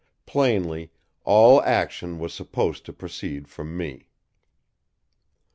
Plainly, all action was supposed to proceed from me.